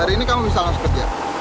hari ini kamu bisa langsung kerja